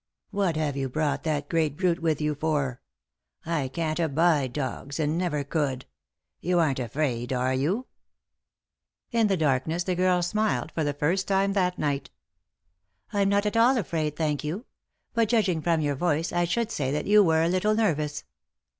" What have you brought that great brute with you for ? I can't abide dogs, and never could. You aren't afraid, are you ?" In the darkness the girl smiled, for the first time that night. "I'm not at all afraid, thank you. But judging from your voice, I should say that you were a little nervous."